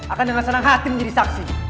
akan dengan senang hati menjadi saksi